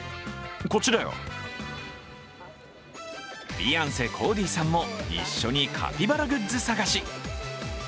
フィアンセ、コーディさんも一緒にカピバラグッズ探し。